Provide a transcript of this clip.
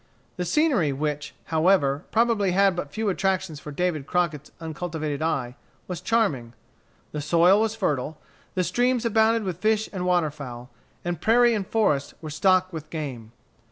The scenery, which, however, probably had but few attractions for David Crockett's uncultivated eye, was charming. The soil was fertile. The streams abounded with fish and waterfowl; and prairie and forest were stocked with game.